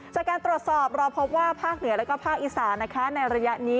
จากการตรวจสอบเราพบว่าภาคเหนือและภาคอีสานนะคะในระยะนี้